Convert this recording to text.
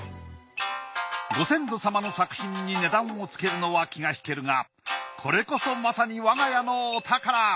ご先祖様の作品に値段をつけるのは気が引けるがこれこそまさに我が家のお宝。